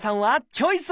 チョイス！